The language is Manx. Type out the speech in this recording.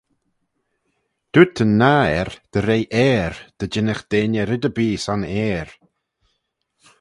Dooyrt yn nah er dy re airh dy jannagh deiney red erbee son airh.